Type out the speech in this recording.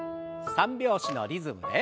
３拍子のリズムで。